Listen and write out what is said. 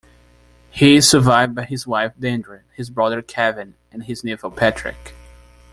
He is survived by his wife Deirdre, his brother Kevin and his nephew Patrick.